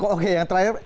oke yang terakhir